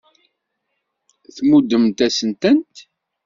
Tmuddemt-asen-tent.